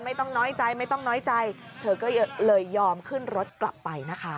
ไม่ต้องน้อยใจไม่ต้องน้อยใจเธอก็เลยยอมขึ้นรถกลับไปนะคะ